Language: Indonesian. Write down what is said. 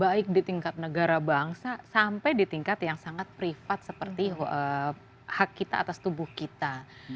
baik di tingkat negara bangsa sampai di tingkat yang sangat privat seperti hak kita atas tubuh kita